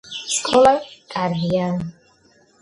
სკოლა კარგია